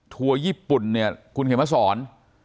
ทัวร์ญี่ปุ่นเนี่ยคุณเขียนมาสอน